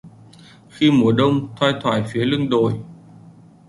Khi mùa Đông thoai thoải phía lưng đồi